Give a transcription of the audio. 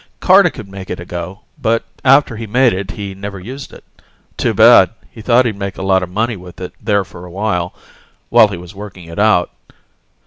Carter could make it go, but after he made it he never used it. Too bad; he thought he'd make a lot of money with it there for awhile, while he was working it out.